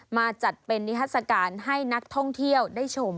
มาจัดเป็นนิทัศกาลให้นักท่องเที่ยวได้ชม